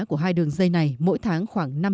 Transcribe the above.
của hai đường dây này mỗi tháng khoảng